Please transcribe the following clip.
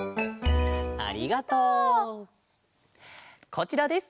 こちらです。